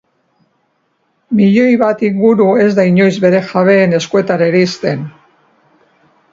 Milioi bat inguru ez da inoiz bere jabeen eskuetara iristen.